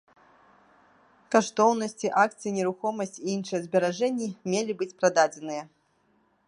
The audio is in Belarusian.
Каштоўнасці, акцыі, нерухомасць і іншыя зберажэнні мелі быць прададзеная.